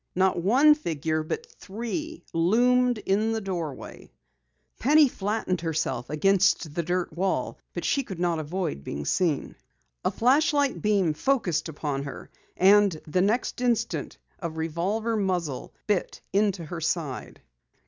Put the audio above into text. Not one figure but three loomed in the doorway! Penny flattened herself against the dirt wall. But she could not avoid being seen. A flashlight beam focused upon her, and the next instant a revolver muzzle bit into her side.